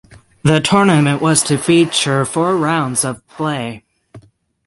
The tournament was to feature four rounds of play.